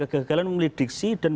kegagalan memilih diksi dan